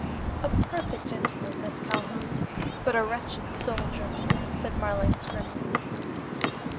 "A perfect gentleman, Miss Calhoun, but a wretched soldier," said Marlanx grimly.